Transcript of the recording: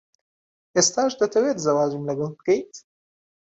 ئێستاش دەتەوێت زەواجم لەگەڵ بکەیت؟